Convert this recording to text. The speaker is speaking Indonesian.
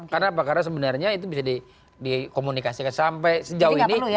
karena sebenarnya itu bisa dikomunikasikan